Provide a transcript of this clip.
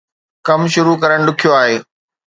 ڪم شروع ڪرڻ ڏکيو آهي